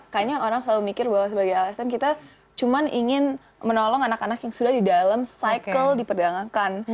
kayaknya orang selalu mikir bahwa sebagai lsm kita cuma ingin menolong anak anak yang sudah di dalam cycle diperdagangkan